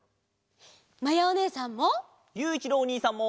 まやおねえさんも！